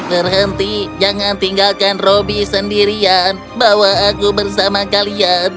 berhenti jangan tinggalkan roby sendirian bawa aku bersama kalian